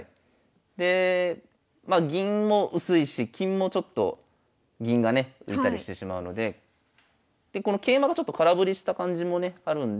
でまあ銀も薄いし金もちょっと銀がね浮いたりしてしまうのででこの桂馬がちょっと空振りした感じもねあるんで。